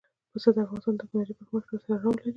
پسه د افغانستان د تکنالوژۍ پرمختګ سره تړاو لري.